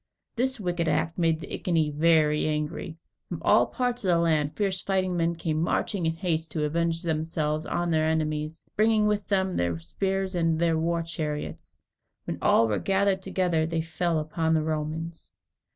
This wicked act made the Iceni very angry. From all parts of the land, fierce fighting men came marching in haste to avenge themselves on their enemies, bringing with them their spears and their war chariots. When all were gathered together, they fell upon the Romans.